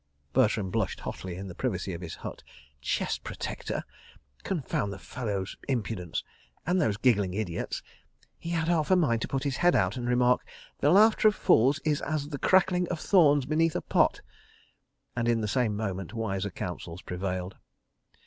Bertram blushed hotly in the privacy of his hut. Chest protector! Confound the fellow's impudence—and those giggling' idiots. He had half a mind to put his head out and remark; "The laughter of fools is as the crackling of thorns beneath a pot," and in the same moment wiser counsels prevailed.